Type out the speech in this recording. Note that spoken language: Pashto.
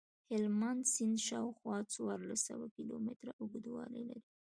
هلمند سیند شاوخوا څوارلس سوه کیلومتره اوږدوالی لري.